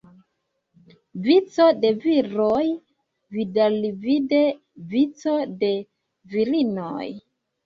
Vico de viroj, vidalvide vico de virinoj.